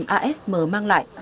phần mềm asm mang lại